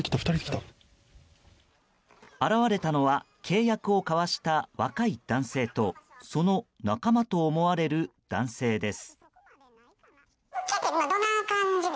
現れたのは契約を交わした若い男性とその仲間と思われる男性です。